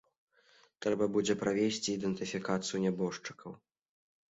Трэба будзе правесці ідэнтыфікацыю нябожчыкаў.